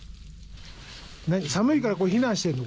寒いから避難してるの？